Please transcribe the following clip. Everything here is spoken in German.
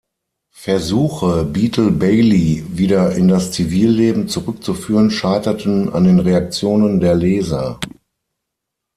Versuche, "Beetle Bailey" wieder in das Zivilleben zurückzuführen, scheiterten an den Reaktionen der Leser.